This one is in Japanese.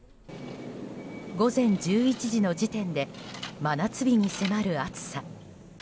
午前１１時の時点で真夏日に迫る暑さ。